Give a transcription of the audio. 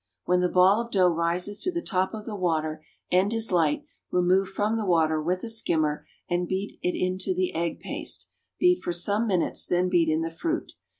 When the ball of dough rises to the top of the water and is light, remove from the water with a skimmer and beat it into the egg paste; beat for some minutes, then beat in the fruit.